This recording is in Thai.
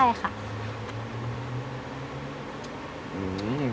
ใช่ค่ะ